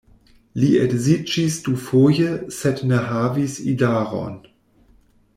Li edziĝis dufoje, sed ne havis idaron.